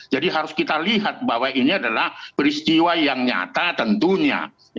jadi harus kita lihat bahwa ini adalah peristiwa yang nyata tentunya